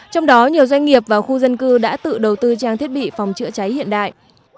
trong đó nhiều doanh nghiệp và khu dân cư đã tự đầu tư trang thiết bị phòng chữa cháy hiện đại